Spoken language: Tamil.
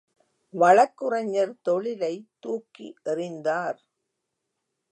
வழக்குரைஞர் தொழிலைத் தூக்கி எறிந்தார்.